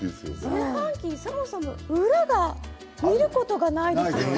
炊飯器の裏側、そもそも見ることがないですよね。